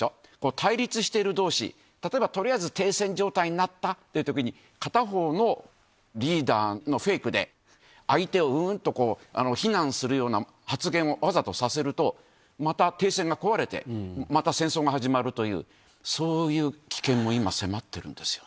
対立しているどうし、例えば、とりあえず停戦状態になったというときに、片方のリーダーのフェイクで、相手をうーんと非難するような発言をわざとさせると、また停戦が壊れて、また戦争が始まるという、そういう危険も今、迫っているんですよ